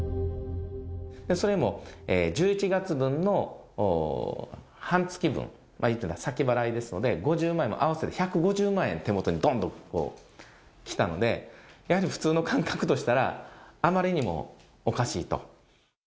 それも１１月分の半月分、言うたら先払いですので、５０万円も合わせて１５０万円手元にどんとこう、来たので、やはり普通の感覚としたら、あまりにもおかしいと。